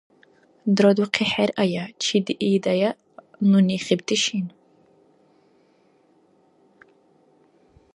— Дурадухъи хӀеръая, чедиидая нуни хибти шин.